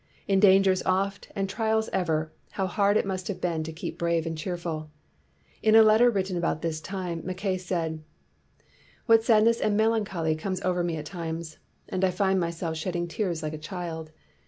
In dangers oft and trials ever, how hard it must have been to keep brave and cheerful! In a letter written about this time Mackay said : "What sadness and melancholy comes over me at times, and I find myself shed ding tears like a child!